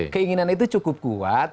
keinginan itu cukup kuat